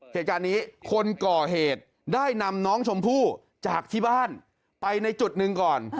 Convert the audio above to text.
เหตุการณ์นี้คนก่อเหตุได้นำน้องชมพู่จากที่บ้านไปในจุดหนึ่งก่อน